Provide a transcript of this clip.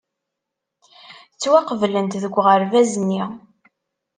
Ttwaqeblent deg uɣerbaz-nni.